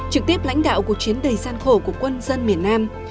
trực tiếp lãnh đạo cuộc chiến đầy gian khổ của quân dân miền nam